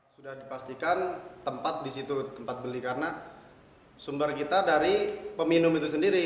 sudah dipastikan tempat di situ tempat beli karena sumber kita dari peminum itu sendiri